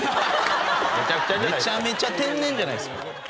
めちゃめちゃ天然じゃないですか。